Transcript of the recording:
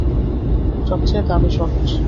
সবচেয়ে দামি শট।